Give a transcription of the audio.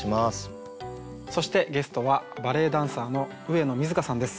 そしてゲストはバレエダンサーの上野水香さんです。